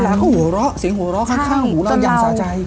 เวลาเขาหัวเราะเสียงหัวเราะข้างหัวเราอย่างสาใจ